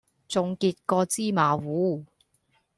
重杰過芝麻糊